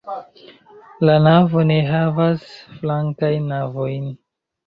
La navo ne havas flankajn navojn.